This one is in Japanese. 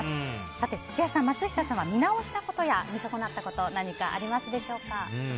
さて土屋さん、松下さんは見直したことや見損なったこと何かありますでしょうか？